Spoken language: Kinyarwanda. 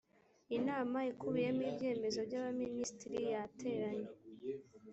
inama ikubiyemo ibyemezo by’ abaminisitiri yateranye